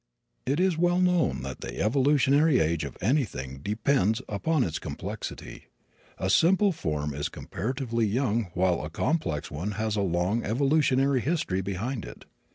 It is well known that the evolutionary age of anything depends upon its complexity. A simple form is comparatively young while a complex one has a long evolutionary history behind it.